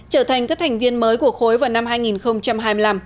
trở thành các thành viên mới của khối vào năm hai nghìn hai mươi năm